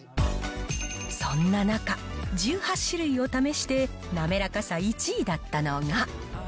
そんな中、１８種類を試して、滑らかさ１位だったのが。